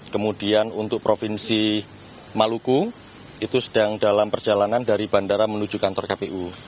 kemudian untuk provinsi maluku itu sedang dalam perjalanan dari bandara menuju kantor kpu